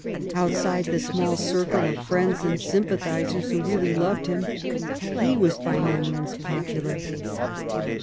Outside the small circle of friends and sympathisers who really loved him, he was by no means popular.